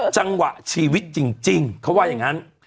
จังหวะชีวิตจริงเขาว่าอย่างนั้น